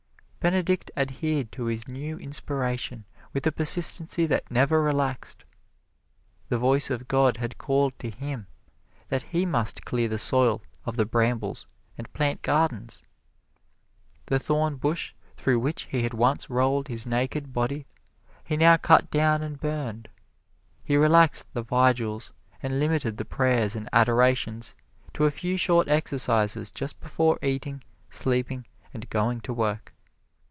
Benedict adhered to his new inspiration with a persistency that never relaxed the voice of God had called to him that he must clear the soil of the brambles and plant gardens. The thorn bush through which he had once rolled his naked body, he now cut down and burned. He relaxed the vigils and limited the prayers and adorations to a few short exercises just before eating, sleeping and going to work.